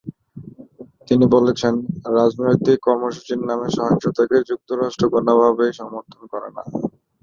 তিনি বলেছেন, রাজনৈতিক কর্মসূচির নামে সহিংসতাকে যুক্তরাষ্ট্র কোনোভাবেই সমর্থন করে না।